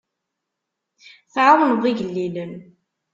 Tɛawneḍ igellilen.